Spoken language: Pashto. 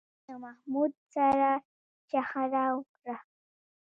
احمد له محمود سره شخړه وکړه